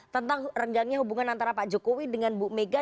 tentang renggangnya hubungan antara pak jokowi dengan bu mega